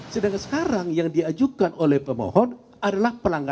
sedangkan sekarang yang diajukan oleh pemohon adalah pelanggaran